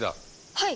はい！